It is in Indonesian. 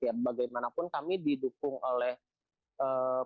ya bagaimanapun kami didukung oleh pemerintah